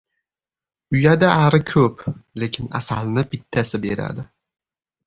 • Uyada ari ko‘p, lekin asalni bittasi beradi.